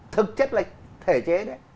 thực chất là thể chế đấy